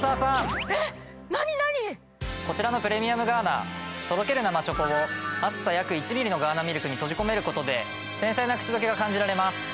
こちらのプレミアムガーナとろける生チョコを厚さ約１ミリのガーナミルクに閉じ込めることで繊細な口どけが感じられます。